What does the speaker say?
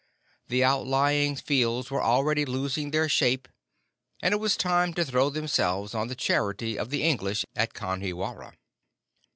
The outlying fields were already losing their shape, and it was time to throw themselves on the charity of the English at Kanhiwara.